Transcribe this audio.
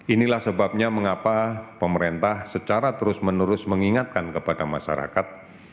inilah sebabnya mengapa pemerintah secara terus menerus mengingatkan kepada masyarakat